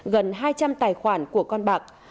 gần hai trăm linh tài khoản của công an